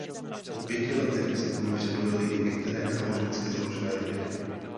Po pěti letech se k nim připojily i některé nábožensky založené rodiny.